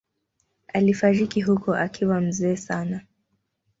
Alifariki huko akiwa mzee sana.